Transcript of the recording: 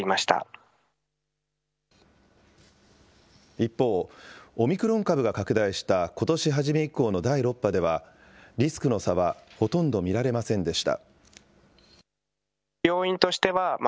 一方、オミクロン株が拡大したことし初め以降の第６波では、リスクの差はほとんど見られませんでした。